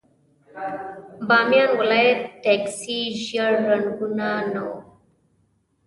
د بامیان ولايت ټکسي ژېړ رنګونه نه وو.